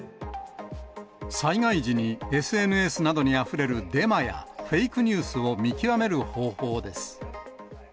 災害時に、ＳＮＳなどにあふれるデマやフェイクニュースを見極める方法です。